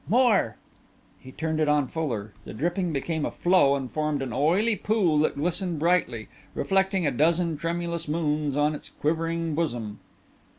"More!" He turned it on fuller. The dripping became a flow and formed an oily pool that glistened brightly, reflecting a dozen tremulous moons on its quivering bosom.